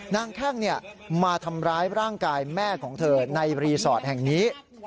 แข้งมาทำร้ายร่างกายแม่ของเธอในรีสอร์ทแห่งนี้